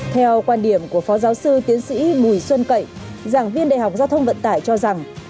theo quan điểm của phó giáo sư tiến sĩ bùi xuân cậy giảng viên đại học giao thông vận tải cho rằng